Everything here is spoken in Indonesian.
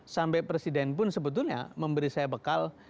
sampai presiden pun sebetulnya memberi saya bekal